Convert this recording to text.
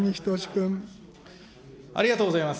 ありがとうございます。